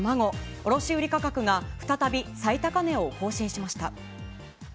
卸売り価格が再び最高値を更新しました。